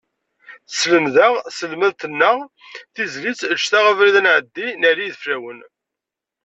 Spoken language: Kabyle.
Tselmed-aɣ tselmadt-nneɣ tizlit eǧǧet-aɣ abrid ad nɛeddin n Ɛli Ideflawen.